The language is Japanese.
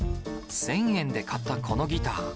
１０００円で買ったこのギター。